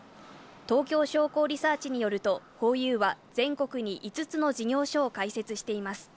東京商工リサーチによると、ホーユーは全国に５つの事業所を開設しています。